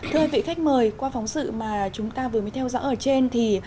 thưa vị khách mời qua phóng sự mà chúng ta vừa mới theo dõi ở trên thì